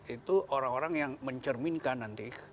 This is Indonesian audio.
itu orang orang yang mencerminkan nanti